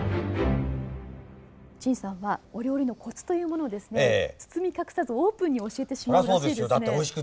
陳さんはお料理のコツというものをですね包み隠さずオープンに教えてしまうらしいですね。